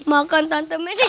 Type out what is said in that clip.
makan tante masih